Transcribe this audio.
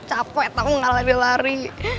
capek tau gak lagi lari